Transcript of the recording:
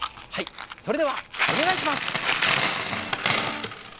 それでは、お願いします。